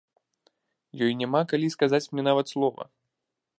Ёй няма калі сказаць мне нават слова.